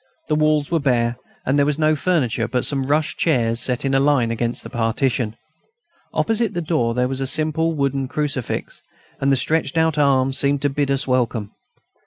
The walls were bare, and there was no furniture but some rush chairs set in a line against the partition. Opposite the door, there was a simple wooden crucifix, and the stretched out arms seemed to bid us welcome.